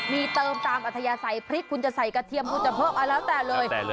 มีเติมตามอัธยาศัยพริกคุณจะใส่กระเทียมคุณจะเพิ่มเอาแล้วแต่เลย